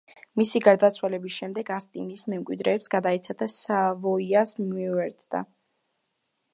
მისი გარდაცვალების შემდეგ ასტი მის მემკვიდრეებს გადაეცათ და სავოიას მიუერთდა.